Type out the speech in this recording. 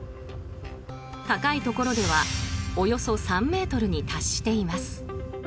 高いところではおよそ３ｍに達しています。